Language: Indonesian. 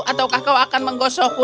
ataukah kau akan menggosokku